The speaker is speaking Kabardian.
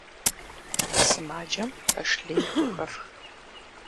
Сымаджэм пэш лей хухэфх.